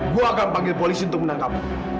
gue akan panggil polisi untuk menangkap